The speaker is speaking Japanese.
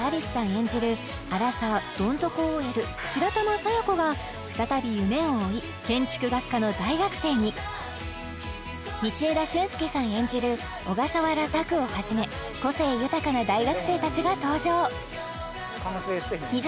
演じるアラサーどん底ＯＬ白玉佐弥子が再び夢を追い建築学科の大学生に道枝駿佑さん演じる小笠原拓をはじめ個性豊かな大学生たちが登場